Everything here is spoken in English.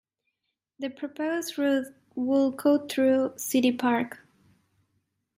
The proposed route would cut through City Park.